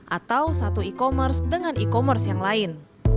atau satu e commerce dengan e commerce yang lain